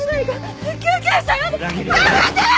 やめてよ！